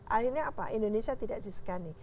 akhirnya apa indonesia tidak disegani